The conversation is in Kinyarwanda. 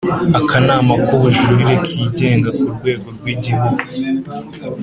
Akanama k Ubujurire Kigenga ku rwego rw Igihugu